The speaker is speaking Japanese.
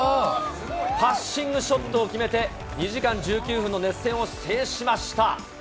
パッシングショットを決めて、２時間１９分の熱戦を制しました。